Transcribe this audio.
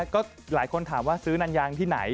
ก็หลายคนถามว่าซื้อนันยางที่ไหน